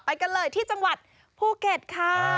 กันเลยที่จังหวัดภูเก็ตค่ะ